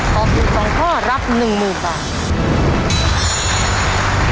ตอบถูก๒ข้อรับ๑๐๐๐บาท